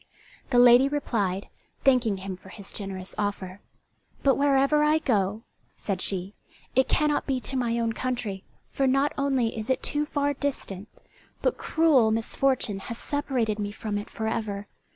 The lady replied, thanking him for his generous offer. "But wherever I go," said she, "it cannot be to my own country, for not only is it too far distant, but cruel misfortune has separated me from it for ever.